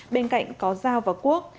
bên cạnh có giao và quốc